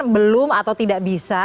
belum atau tidak bisa